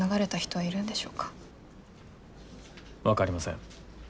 分かりません。